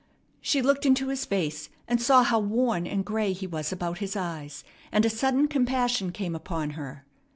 She looked into his face, and saw how worn and gray he was about his eyes; and a sudden compassion came upon her.